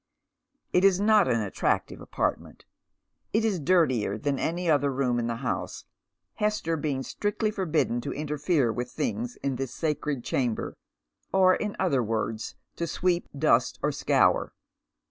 It is not an attractive apartment. It is dirtier than any other room in the house, Hester being strictly forbidden to interfere with things in this sacred chamber, or, in other words, to sweep, dust, or scour.